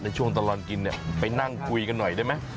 ในช่วงตะรอนกินไปนั่งคุยกันหน่อยได้ไหม